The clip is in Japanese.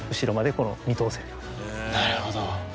なるほど。